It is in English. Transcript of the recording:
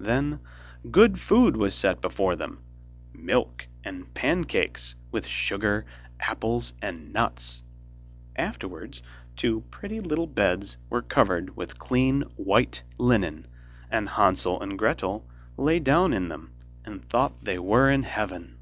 Then good food was set before them, milk and pancakes, with sugar, apples, and nuts. Afterwards two pretty little beds were covered with clean white linen, and Hansel and Gretel lay down in them, and thought they were in heaven.